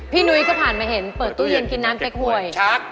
นุ้ยก็ผ่านมาเห็นเปิดตู้เย็นกินน้ำเต็กหวย